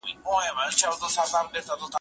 د هیلو او امیدونو داسې څراغ بلی کړی وي